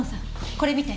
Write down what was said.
これ見て。